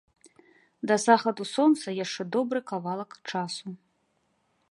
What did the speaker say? Да захаду сонца яшчэ добры кавалак часу.